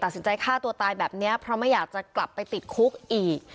ตัดสินใจฆ่าตัวตายแบบนี้เพราะไม่อยากจะกลับไปติดคุกอีก